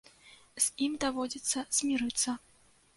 З ім даводзіцца змірыцца.